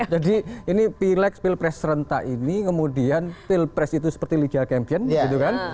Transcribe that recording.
jadi ini pileg pilpres renta ini kemudian pilpres itu seperti liga kempien gitu kan